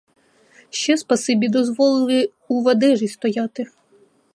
Ще, спасибі, дозволили ув одежі стояти.